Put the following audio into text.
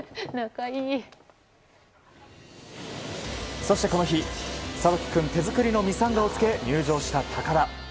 そしてこの日、諭樹君手作りのミサンガを着け入場した高田。